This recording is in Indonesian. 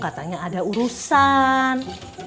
katanya ada urusan